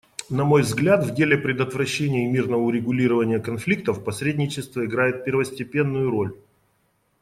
На мой взгляд, в деле предотвращения и мирного урегулирования конфликтов посредничество играет первостепенную роль.